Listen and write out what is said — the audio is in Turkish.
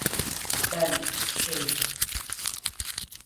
Ben… şey…